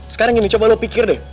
sekarang ini coba lo pikir deh